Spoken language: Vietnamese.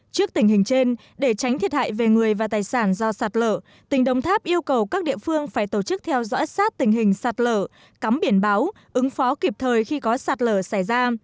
trước tình hình trên để tránh thiệt hại về người và tài sản do sạt lở tỉnh đồng tháp yêu cầu các địa phương phải tổ chức theo dõi sát tình hình sạt lở cắm biển báo ứng phó kịp thời khi có sạt lở xảy ra